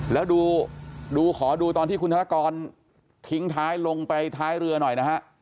แล้วดูขอดูตอนที่คุณธนกรทิ้งท้ายลงไปท้ายเรือหน่อยนะฮะ